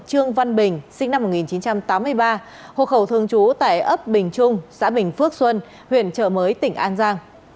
trương văn bình sinh năm một nghìn chín trăm tám mươi ba hộ khẩu thường trú tại ấp bình trung xã bình phước xuân huyện chợ mới tỉnh an giang